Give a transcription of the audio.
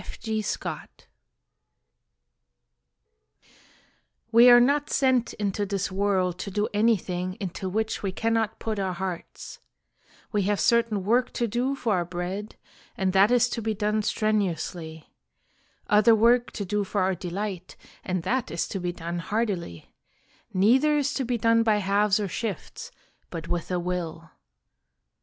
F. G. Scott We are not sent into this world to do anything into which we cannot put our hearts. We have certain work to do for our bread, and that is to be done strenuously; other work to do for our delight, and that is to be done heartily; neither is to be done by halves or shifts, but with a will.